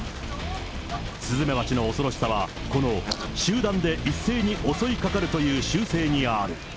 スズメバチの恐ろしさは、この集団で一斉に襲いかかるという習性にある。